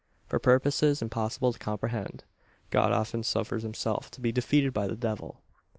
For purposes impossible to comprehend, God often suffers himself to be defeated by the Devil.